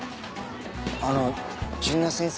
あの純奈先生